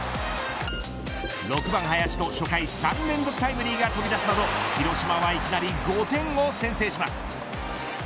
６番、林と初回３連続タイムリーが飛び出すなど広島はいきなり５点を先制します。